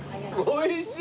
おいしい。